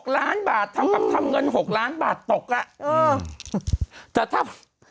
๖ล้านบาททำเงิน๖ล้านบาทตกอ่ะแต่ถ้า